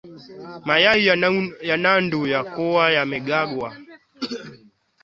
Mayai ya nandu yalikuwa yametagwa na ndege